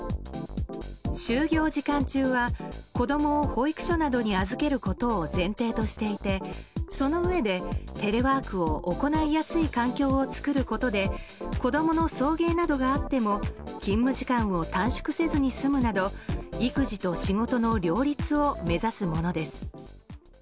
就業時間中は子供を保育所などに預けることを前提としていてそのうえでテレワークを行いやすい環境を作ることで子供の送迎などがあっても勤務時間を短縮せずに済むなど育児と仕事の両立を目指すものです。